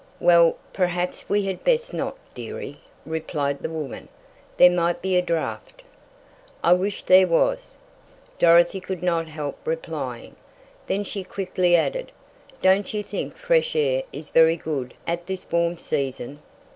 "Well, perhaps we had best not, dearie," replied the woman. "There might be a draught." "I wish there was," Dorothy could not help replying. Then she quickly added: "Don't you think fresh air is very good at this warm season?"